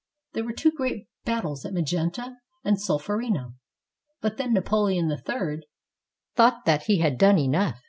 There were two great battles, at Magenta and Solf erino. But then Napoleon III thought that he had done enough.